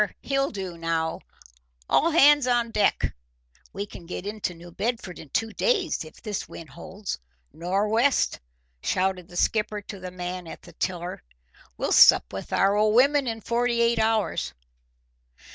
he'll do now; all hands on deck! We can get into New Bedford in two days if this wind holds. Nor' west!" shouted the skipper to the man at the tiller. "We'll sup with our old women in forty eight hours!"